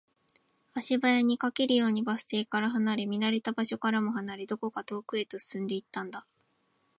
足早に、駆けるようにバス停から離れ、見慣れた場所からも離れ、どこか遠くへと進んでいったんだ